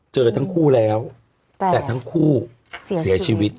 เจอทั้งคู่แล้วแต่ทั้งคู่เสียชีวิต